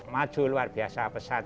maju luar biasa pesat